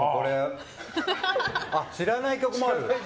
知らない曲ある？